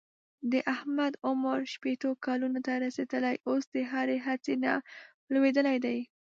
د احمد عمر شپېتو کلونو ته رسېدلی اوس د هرې هڅې نه لوېدلی دی.